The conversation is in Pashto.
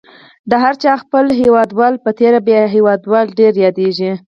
د هر چا خپل هیوادوال په تېره بیا هیوادواله ډېره یادیږي.